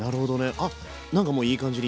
あっなんかもういい感じに。